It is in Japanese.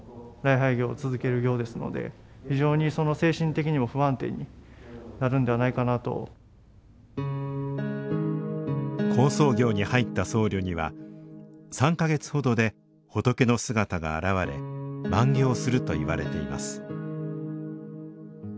これを仏の姿が見えるまで行います好相行に入った僧侶には３か月ほどで仏の姿が現れ満行するといわれています